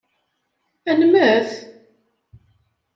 Ad nemmet?